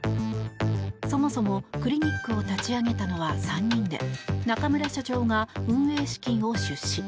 そもそも、クリニックを立ち上げたのは３人で中村社長が運営資金を出資。